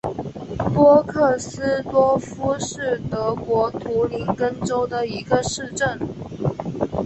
波克斯多夫是德国图林根州的一个市镇。